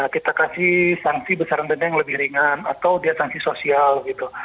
kita kasih sanksi besaran denda yang lebih ringan atau dia sanksi sosial gitu